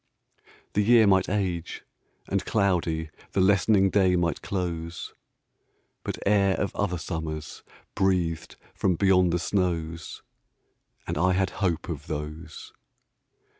The year might age, and cloudy The lessening day might close, But air of other summers Breathed from beyond the snows, And I had hope of those.